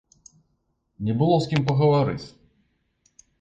Не было з кім пагаварыць!